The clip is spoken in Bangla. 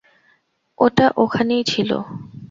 এটা ওখানেই ছিল।